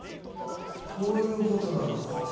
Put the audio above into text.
こういうことなのか。